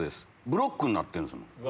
ブロックになってるんですもん。